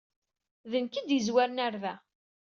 D nekk ay d-yezwaren ɣer da.